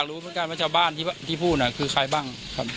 ไม่รู้เหมือนกันว่าชาวบ้านที่พูดน่ะคือใครบ้าง